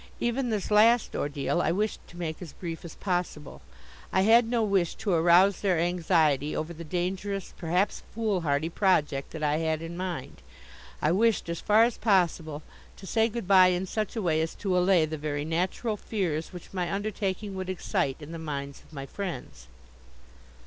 Even this last ordeal I wished to make as brief as possible. I had no wish to arouse their anxiety over the dangerous, perhaps foolhardy, project that I had in mind. I wished, as far as possible, to say good bye in such a way as to allay the very natural fears which my undertaking would excite in the minds of my friends.